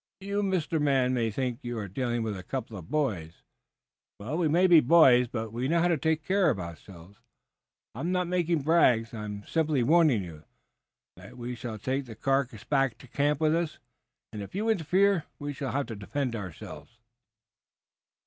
You, Mister Man, may think you are dealing with a couple of boys. We may be boys, but we know how to take care of ourselves. I am not making brags; I am simply warning you that we shall take the carcass back to camp with us, and if you interfere we shall have to defend ourselves."